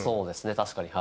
確かに。